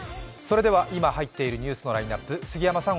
今、入っているニュースのラインナップ、杉山さん